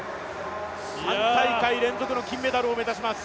３大会連続の金メダルを目指します